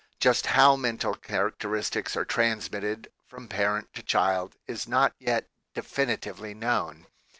Just how mental characteristics are transmitted from parent tc child is not yet definitely known.